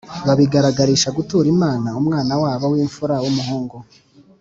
, babigaragarisha gutura Imana umwana wabo w’imfura w’umuhungu.